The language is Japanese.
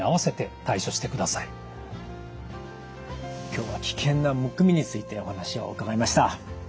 今日は危険なむくみについてお話を伺いました。